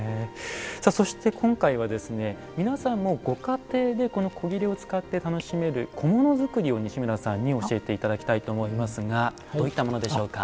さあそして今回は皆さんもご家庭でこの古裂を使って楽しめる小物作りを西村さんに教えて頂きたいと思いますがどういったものでしょうか？